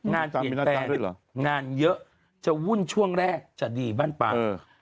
งานเก่งแต่งงานเยอะจะวุ่นช่วงแรกจะดีบ้านปาก